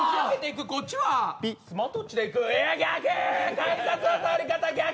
改札の通り方逆！